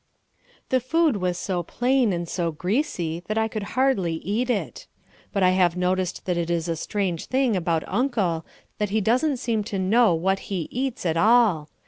The food was so plain and so greasy that I could hardly eat it. But I have noticed that it is a strange thing about Uncle that he doesn't seem to know what he eats at all.